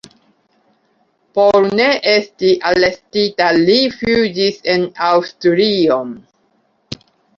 Por ne esti arestita li fuĝis en Aŭstrion.